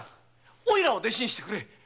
おいらを弟子にしてくれ。